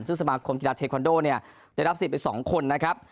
ซึ่งสมาคมกีฬาเทคอนโดเนี่ยได้รับสิทธิ์ไป๒คนนะครับ